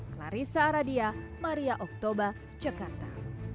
clarissa aradia maria oktober jakarta